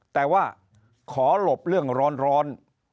แต่ว่าขอหลบเรื่องร้อน